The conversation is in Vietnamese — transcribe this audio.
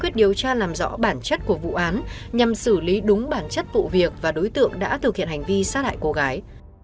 tìm dõi bản chất của vụ án nhằm xử lý đúng bản chất vụ việc và đối tượng đã thực hiện hành vi sát hại cô gái